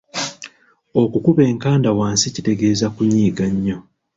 Okukuba enkanda wansi kitegeeza kunyiiga nnyo.